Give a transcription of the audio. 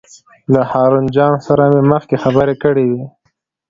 له هارون جان سره مې مخکې خبرې کړې وې.